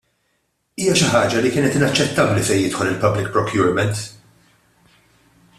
Hija xi ħaġa li kienet inaċċettabbli fejn jidħol il-public procurement.